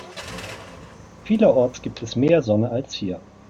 Vielerorts gibt es mehr Sonne als hier.